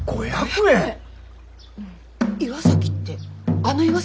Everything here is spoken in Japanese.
岩崎ってあの岩崎？